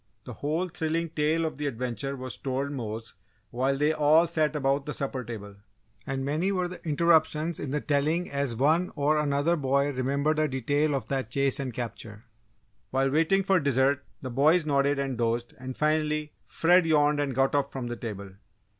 The whole thrilling tale of the adventure was told Mose while they all sat about the supper table, and many were the interruptions in the telling as one or another boy remembered a detail of that chase and capture. While waiting for dessert, the boys nodded and dozed, and finally, Fred yawned and got up from the table.